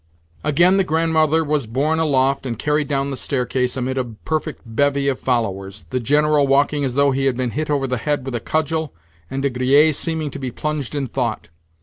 Again the Grandmother was borne aloft and carried down the staircase amid a perfect bevy of followers—the General walking as though he had been hit over the head with a cudgel, and De Griers seeming to be plunged in thought.